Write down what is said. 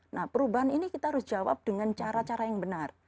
nah perubahan ini kita harus jawab dengan cara cara yang benar